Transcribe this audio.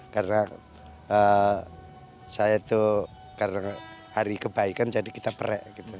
karena saya tuh karena hari kebaikan jadi kita pre gitu